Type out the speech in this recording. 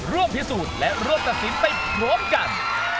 ร่วมพิสูจน์และรวบกันซิ้นไปขบรวมกัน